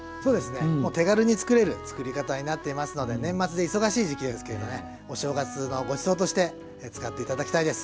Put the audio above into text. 手軽につくれるつくり方になっていますので年末で忙しい時期ですけれどねお正月のごちそうとして使って頂きたいです。